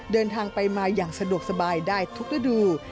เดินทางไปมาอย่างสะดวกสบายได้ทุกฤดู